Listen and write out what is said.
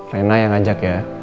reina yang ngajak ya